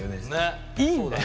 いいんだよ。